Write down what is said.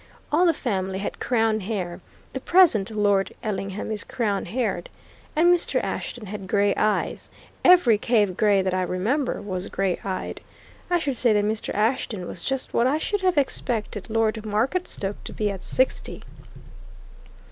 All the family had crown hair; the present Lord Ellingham is crown haired. And Mr. Ashton had grey eyes every Cave Gray that I remember was grey eyed. I should say that Mr. Ashton was just what I should have expected Lord Marketstoke to be at sixty."